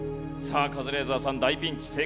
さあカズレーザーさん大ピンチ。